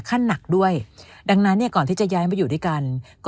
ขั้นหนักด้วยดังนั้นเนี่ยก่อนที่จะย้ายมาอยู่ด้วยกันก็